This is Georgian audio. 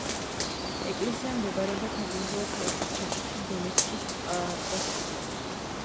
ეკლესია მდებარეობდა თანამედროვე ქალაქის ცენტრში დონეცკის პროსპექტზე.